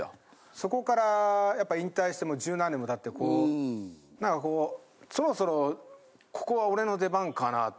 そこからやっぱ引退して十何年も経ってこうそろそろここは俺の出番かなと。